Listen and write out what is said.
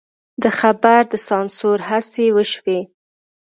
د خبر د سانسور هڅې وشوې.